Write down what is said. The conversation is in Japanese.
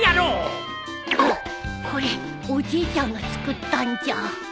うっこれおじいちゃんが作ったんじゃ